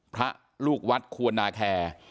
พระลูกวัดควรนาแคร์